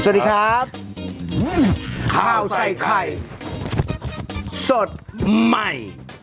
นี้จะครับ